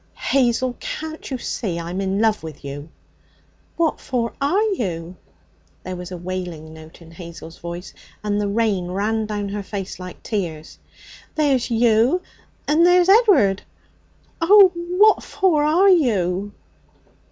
'Hazel, can't you see I'm in love with you?' 'What for are you?' There was a wailing note in Hazel's voice, and the rain ran down her face like tears. 'There's you and there's Ed'ard Oh, what for are you?'